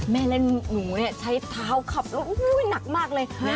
แม่เล่นหนูใช้เท้าขับนักมากเลย